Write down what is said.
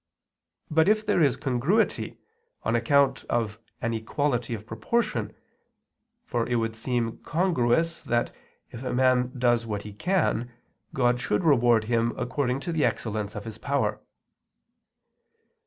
But there is congruity, on account of an equality of proportion: for it would seem congruous that, if a man does what he can, God should reward him according to the excellence of his power.